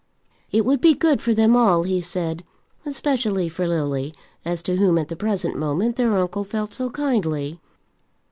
It would be good for them all, he said, especially for Lily, as to whom, at the present moment, their uncle felt so kindly.